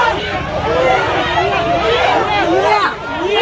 เฮียเฮียเฮีย